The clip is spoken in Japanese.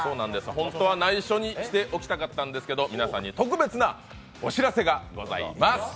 本当は内緒にしておきたかったんですが、皆さんに特別なお知らせがございます。